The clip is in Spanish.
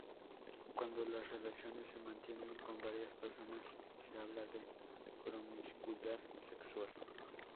Cuando las relaciones se mantienen con varias personas se habla de promiscuidad sexual.